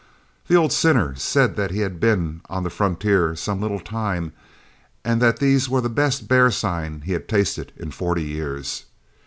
The old sinner said that he had been on the frontier some little time, and that there were the best bear sign he had tasted in forty years.